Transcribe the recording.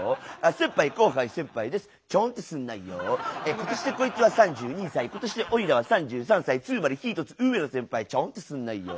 今年でこいつは３２歳今年でオイラは３３歳つまり１つ上の先輩ちょんってすなよ